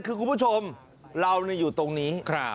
คุณผู้ชมเรานี่อยู่ตรงนี้